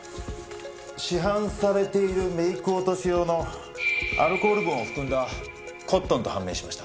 市販されているメイク落とし用のアルコール分を含んだコットンと判明しました。